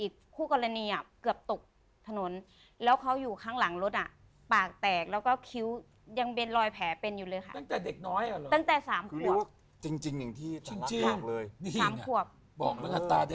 บอกแล้วตาแดงอย่างนี้